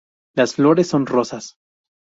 Las flores son rosas.